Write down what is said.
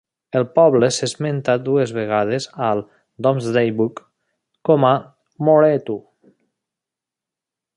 El poble s'esmenta dues vegades al "Domesday Book" com a "Moretun".